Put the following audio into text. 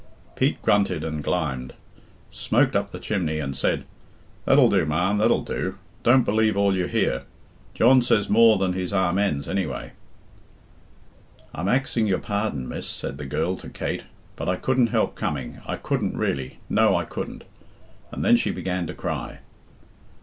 Pete grunted and glimed, smoked up the chimney, and said, "That'll do, ma'am, that'll do. Don't believe all you hear. John says more than his Amens, anyway." "I'm axing your pardon, miss," said the girl to Kate, "but I couldn't help coming I couldn't really no, I couldn't," and then she began to cry.